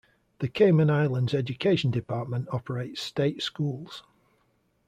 The Cayman Islands Education Department operates state schools.